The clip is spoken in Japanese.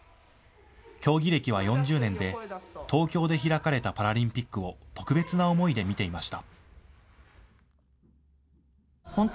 競技歴は４０年で東京で開かれたパラリンピックを特別な思いで見ていました。